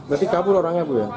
berarti kabur orangnya bu ya